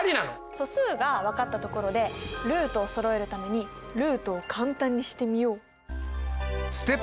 素数が分かったところでルートをそろえるためにルートを簡単にしてみよう。